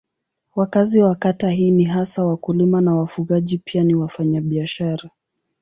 Wakazi wa kata hii ni hasa wakulima na wafugaji pia ni wafanyabiashara.